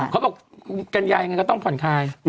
เขาบอกกันยายอย่างนั้นก็ต้องผ่อนคลาย